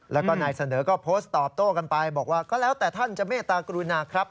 แล้วก็นายเสนอก็โพสต์ตอบโต้กันไปบอกว่าก็แล้วแต่ท่านจะเมตตากรุณาครับ